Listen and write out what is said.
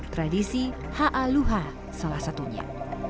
tradisi ha'aluha salah satunya